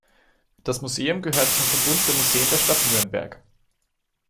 Das Museum gehört zum Verbund der Museen der Stadt Nürnberg.